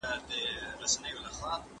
د کوم شخص کوم اړخ به د قیامت په ورځ شل وي؟